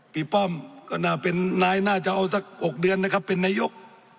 ป้อมก็น่าเป็นนายน่าจะเอาสัก๖เดือนนะครับเป็นนายก